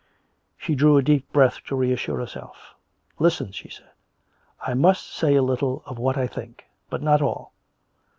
She drew a deep breath to reassure herself. " Listen !" she said. " I must say a little of what I think; but not all.